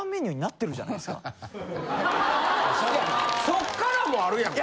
いやそっからもあるやんか。